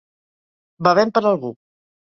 Bevem per algú.